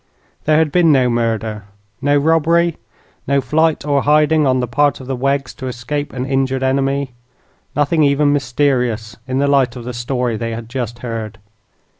There had been no murder, no robbery, no flight or hiding on the part of the Weggs to escape an injured enemy; nothing even mysterious, in the light of the story they had just heard.